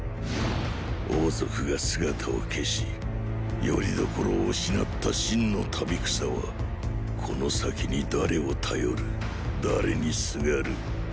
王族が姿を消し拠り所を失った秦の民草はこの先に誰を頼る誰にすがる。